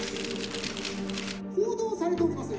報道されております